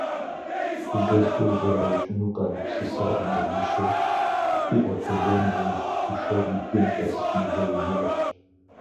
И дэлъхур зэраукӏыну къагупсыса ӏэмалищыр къиӏуэтэжа нэужь, Лушэр и бгым къэс мывэу жащ.